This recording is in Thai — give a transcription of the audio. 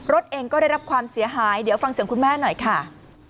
รถเองก็ได้รับความเสียหายเดี๋ยวฟังเสียงคุณแม่หน่อยค่ะ